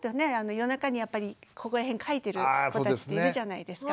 夜中にやっぱりここら辺かいてる子たちっているじゃないですか。